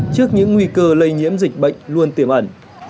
trước những nguy cơ lây nhiễm dịch bệnh luôn tiềm ẩn